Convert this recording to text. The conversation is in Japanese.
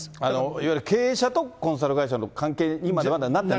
いわゆる経営者とコンサル会社の関係にまでなってない？